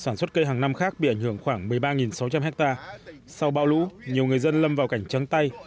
sản xuất cây hàng năm khác bị ảnh hưởng khoảng một mươi ba sáu trăm linh hectare sau bão lũ nhiều người dân lâm vào cảnh trắng tay